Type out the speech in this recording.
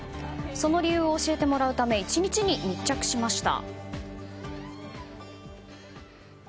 その理由を教えてもらうため１日に密着しました。